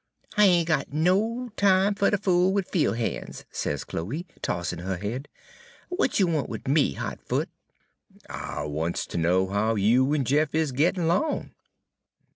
"'I ain' got no time fer ter fool wid fiel' han's,' sez Chloe, tossin' her head; 'w'at you want wid me, Hot Foot?' "'I wants ter know how you en Jeff is gittin' 'long.'